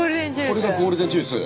これがゴールデンジュース！